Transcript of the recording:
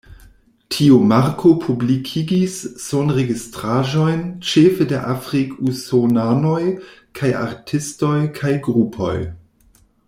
Tiu marko publikigis sonregistraĵojn ĉefe de afrik-usonanoj kaj artistoj kaj grupoj.